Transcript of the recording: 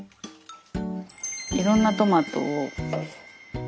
いろんなトマトを混ぜる。